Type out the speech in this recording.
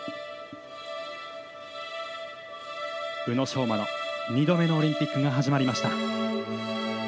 宇野昌磨の２度目のオリンピックが始まりました。